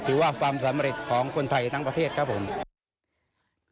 ว่าความสำเร็จของคนไทยทั้งประเทศครับผม